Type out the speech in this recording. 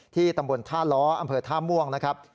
ตำบลท่าล้ออำเภอท่าม่วงนะครับ